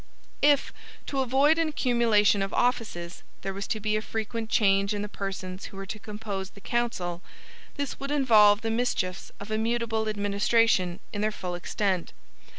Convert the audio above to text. If, to avoid an accumulation of offices, there was to be a frequent change in the persons who were to compose the council, this would involve the mischiefs of a mutable administration in their full extent.